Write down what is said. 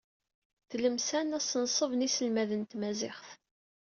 Tlemsan, asenṣeb n yiselmaden n tmaziɣt.